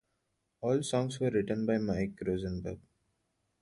All songs were written by Mike Rosenberg.